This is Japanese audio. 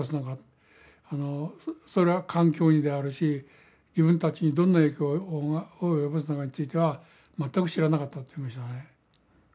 それは環境にであるし自分たちにどんな影響を及ぼすのかについては全く知らなかったって言ってましたね。